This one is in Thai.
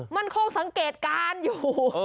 มันคงสังเกตการณ์อยู่